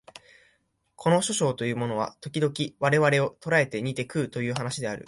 この書生というのは時々我々を捕えて煮て食うという話である